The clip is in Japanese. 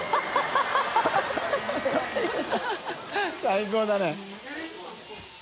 最高だね